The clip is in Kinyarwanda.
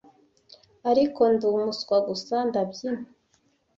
ariko ndi umuswa gusa ndabyina